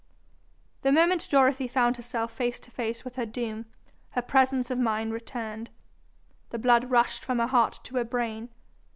The moment Dorothy found herself face to face with her doom, her presence of mind returned. The blood rushed from her heart to her brain.